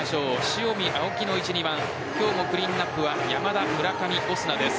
塩見、青木の１、２番クリーンアップは山田、村上、オスナです。